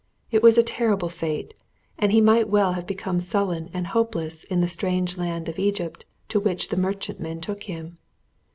It was a terrible fate, and he might well have become sullen and hopeless in the strange land of Egypt to which the merchantmen took him.